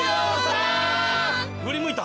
振り向いた。